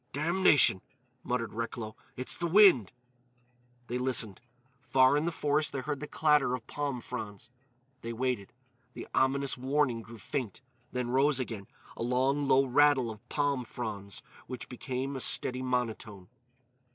"Damnation," muttered Recklow, "it's the wind!" They listened. Far in the forest they heard the clatter of palm fronds. They waited. The ominous warning grew faint, then rose again,—a long, low rattle of palm fronds which became a steady monotone.